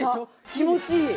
気持ちいい！